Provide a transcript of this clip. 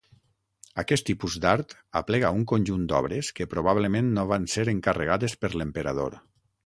Aquest tipus d'art aplega un conjunt d'obres que probablement no van ser encarregades per l'emperador.